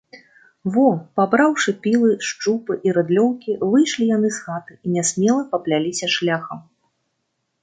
Во, пабраўшы пілы, шчупы і рыдлёўкі, выйшлі яны з хаты і нясмела папляліся шляхам.